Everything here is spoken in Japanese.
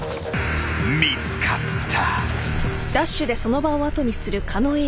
［見つかった］